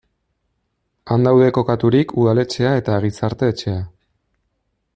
Han daude kokaturik udaletxea eta gizarte-etxea.